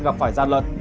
gặp phải gian lận